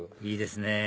いいですね！